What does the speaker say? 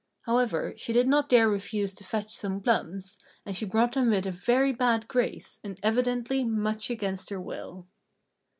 However, she did not dare refuse to fetch some plums, and she brought them with a very bad grace, and evidently much against her will.